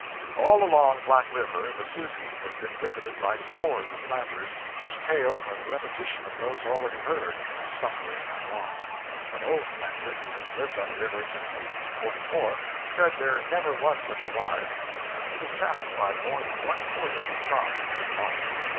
All along Black River the 'Susie' has been visited by scores of planters, whose tales are the repetition of those already heard of suffering and loss. An old planter, who has lived on the river since 1844, said there never was such a rise, and he was satisfied more than one quarter of the stock has been lost.